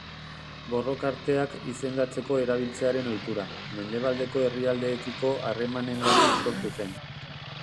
Borroka-arteak izendatzeko erabiltzearen ohitura, mendebaldeko herrialdeekiko harremanengatik sortu zen.